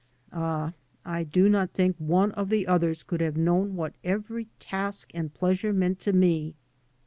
Ah, I do not think one of the others could have known what every task and pleasure meant to me.